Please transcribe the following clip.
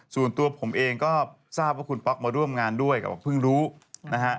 ส่วนตัวผมเองก็ทราบว่าคุณป๊อกมาร่วมงานด้วยก็บอกเพิ่งรู้นะฮะ